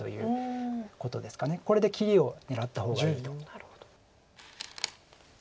これで切りを狙った方がいいと。